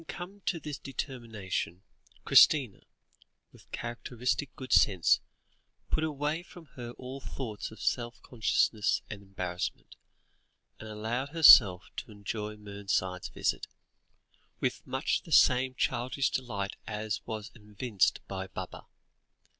Having come to this determination, Christina, with characteristic good sense, put away from her all thoughts of self consciousness and embarrassment, and allowed herself to enjoy Mernside's visit, with much the same childish delight as was evinced by Baba.